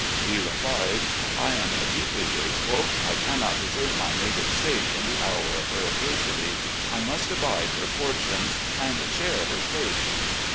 He replied :" I am deeply grateful ; I cannot desert my native State in the hour of her adversity. I must abide her fortunes, and share her fate."